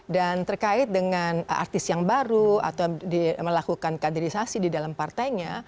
dan terkait dengan artis yang baru atau melakukan kaderisasi di dalam partainya